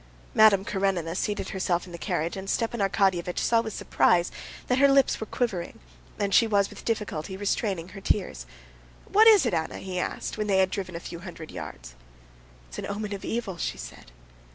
Madame Karenina seated herself in the carriage, and Stepan Arkadyevitch saw with surprise that her lips were quivering, and she was with difficulty restraining her tears. "What is it, Anna?" he asked, when they had driven a few hundred yards. "It's an omen of evil," she said.